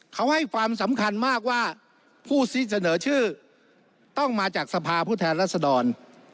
เขาให้ความสำคัญมากว่าผู้ที่เสนอชื่อต้องมาจากสภาผู้แทนรัศดร